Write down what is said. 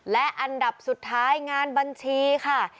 และอันดับสุดท้ายงานบัญชีค่ะ